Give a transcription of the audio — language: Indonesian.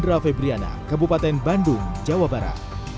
seorang yang bisa diancam hukuman maksimal lima belas tahun penjara